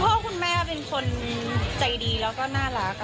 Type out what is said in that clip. พ่อคุณแม่เป็นคนใจดีแล้วก็น่ารัก